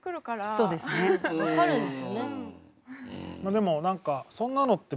でも何かそんなのって